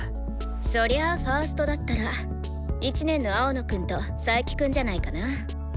そりゃファーストだったら１年の青野くんと佐伯くんじゃないかな。